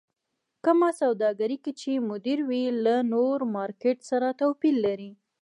کومه سوداګرۍ کې چې مدير وي له نور مارکېټ سره توپير لري.